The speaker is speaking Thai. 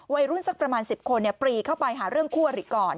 วัยรุ่นสักประมาณสิบคนเนี่ยปรีเข้าไปหาเรื่องควรอีกก่อน